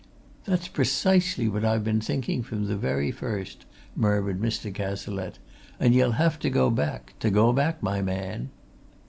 "That's precisely what I've been thinking from the very first," murmured Mr. Cazalette. "And ye'll have to go back to go back, my man!"